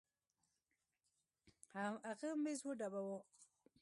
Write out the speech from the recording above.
هغه ميز وډباوه.